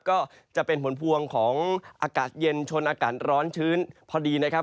ก็จะเป็นผลพวงของอากาศเย็นชนอากาศร้อนชื้นพอดีนะครับ